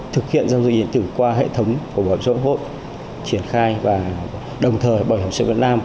thực hiện giao dịch điện tử qua hệ thống của bảo hiểm xã hội triển khai và đồng thời bảo hiểm xã hội việt nam